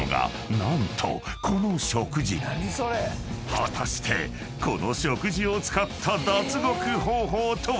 ［果たしてこの食事を使った脱獄方法とは⁉］